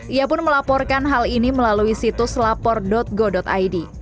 ia pun melaporkan hal ini melalui situs lapor go id